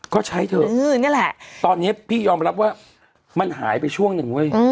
ก็ใช้เถอะนี่แหละตอนนี้พี่ยอมรับว่ามันหายไปช่วงหนึ่งเว้ย